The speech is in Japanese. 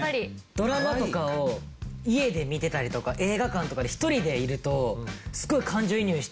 ドラマとかを家で見てたりとか映画館とかで一人でいるとすごい感情移入しちゃうし。